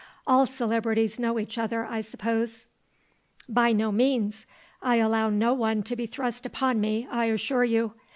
"All celebrities know each other, I suppose." "By no means. I allow no one to be thrust upon me, I assure you.